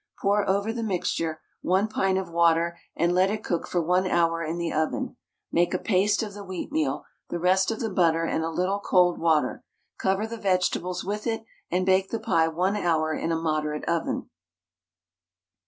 Pour over the mixture 1 pint of water, and let it cook for 1 hour in the oven. Make a paste of the wheatmeal, the rest of the butter and a little cold water, cover the vegetables with it, and bake the pie 1 hour in a moderate oven.